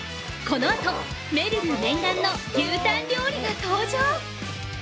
◆このあと、めるる念願の牛タン料理が登場。